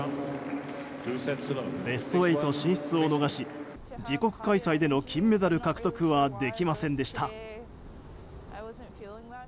ベスト８進出を逃し自国開催での金メダル獲得はできませんでした。